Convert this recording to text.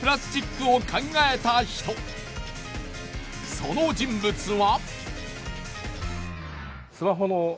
その人物は。